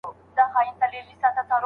زموږ په ټولنه کې ډېر خلک له بېوزلۍ کړېږي.